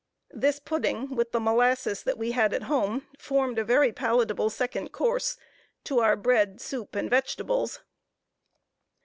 This pudding, with the molasses that we had at home, formed a very palatable second course to our bread, soup, and vegetables.